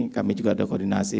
kami juga ada koordinasi